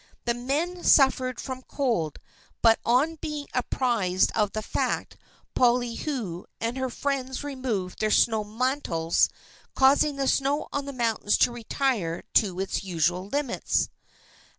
The men suffered from cold but on being apprised of the fact Poliahu and her friends removed their snow mantles, causing the snow on the mountains to retire to its usual limits.